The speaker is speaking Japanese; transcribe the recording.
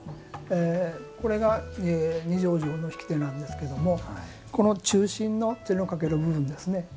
これが二条城の引き手なんですけどもこの中心の手のかける部分ですね。